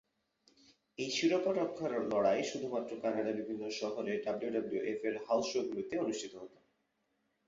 এই শিরোপা রক্ষার লড়াই শুধুমাত্র কানাডার বিভিন্ন শহরে ডাব্লিউডাব্লিউএফ-এর 'হাউজ শো' গুলিতে অনুষ্ঠিত হতো।